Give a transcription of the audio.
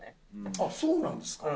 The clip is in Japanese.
あっそうなんですか？